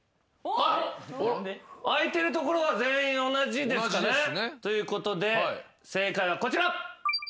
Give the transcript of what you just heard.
あいてる所は全員同じですかね。ということで正解はこちら。